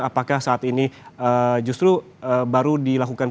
apakah saat ini justru baru dilakukan